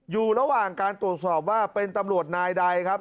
อยู่ระหว่างการตรวจสอบว่าเป็นตำรวจนายใดครับ